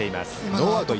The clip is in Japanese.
ノーアウト、一塁。